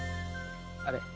あれ。